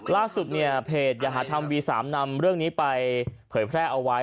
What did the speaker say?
ล่าสุดเนี่ยเพจอย่าหาธรรมวี๓นำเรื่องนี้ไปเผยแพร่เอาไว้